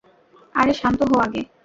আরে, শান্ত হো আগে।